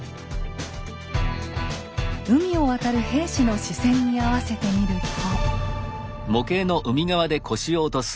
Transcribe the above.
海を渡る兵士の視線に合わせてみると。